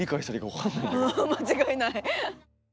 うん間違いない。